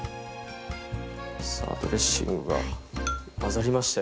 さあドレッシングが混ざりましたよ